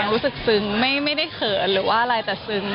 รู้สึกซึ้งไม่ได้เขินหรือว่าอะไรแต่ซึ้ง